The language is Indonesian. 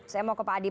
saya mau ke pak adip